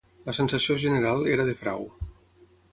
La sensació general era de frau.